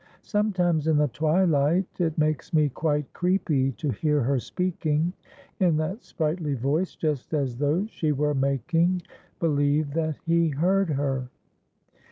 Sometimes in the twilight it makes me quite creepy to hear her speaking in that sprightly voice, just as though she were making believe that he heard her."